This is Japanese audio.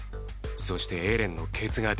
そしてエレンのケツが出ている。